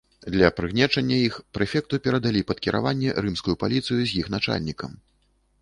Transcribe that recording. Для прыгнечання іх прэфекту перадалі пад кіраванне рымскую паліцыю з іх начальнікам.